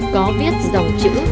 có viết dòng chữ